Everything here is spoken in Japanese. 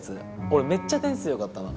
俺めっちゃ点数よかったの。